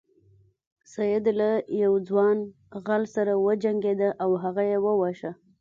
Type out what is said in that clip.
سید له یو ځوان غل سره وجنګیده او هغه یې وواژه.